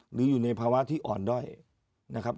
หรืออยู่ในภาวะที่อ่อนด้อยนะครับ